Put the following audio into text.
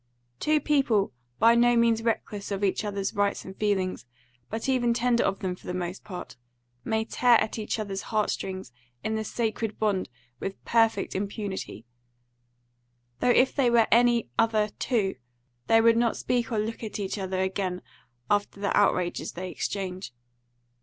Two people by no means reckless of each other's rights and feelings, but even tender of them for the most part, may tear at each other's heart strings in this sacred bond with perfect impunity; though if they were any other two they would not speak or look at each other again after the outrages they exchange.